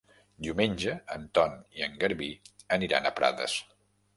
Diumenge en Ton i en Garbí aniran a Prades.